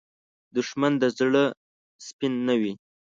دښمن د زړه سپین نه وي